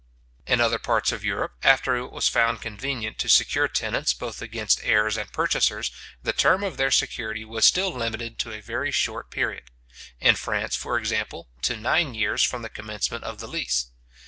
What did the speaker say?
In other parts of Europe, after it was found convenient to secure tenants both against heirs and purchasers, the term of their security was still limited to a very short period; in France, for example, to nine years from the commencement of the lease.